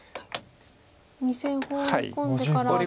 ２線ホウリ込んでからアテても。